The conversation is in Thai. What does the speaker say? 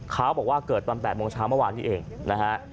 เขาบอกว่าเกิดตอน๘โมงเช้าเมื่อวานนี้เองนะฮะ